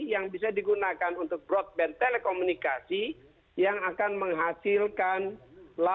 yang bisa digunakan untuk broadband telekomunikasi yang akan menghasilkan lapangan pekerjaan dan perusahaan